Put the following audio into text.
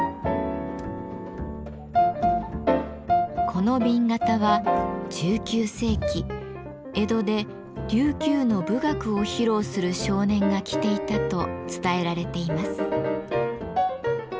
この紅型は１９世紀江戸で琉球の舞楽を披露する少年が着ていたと伝えられています。